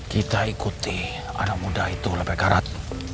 kita ikuti anak muda itu lebay karat